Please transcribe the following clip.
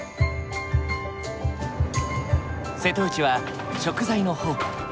瀬戸内は食材の宝庫。